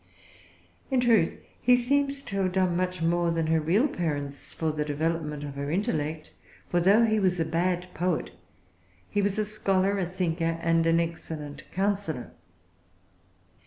In truth, he seems to have done much more than her real parents for the development of her intellect; for though he was a bad poet, he was a scholar, a thinker, and an excellent counsellor.